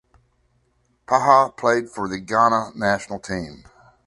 Paha played for the Ghana national team.